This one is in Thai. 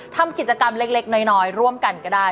ทำกิจกรรมเล็กน้อยร่วมกันก็ได้